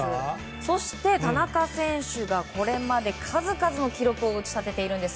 そして田中選手はこれまで数々の記録を打ち立てているんです。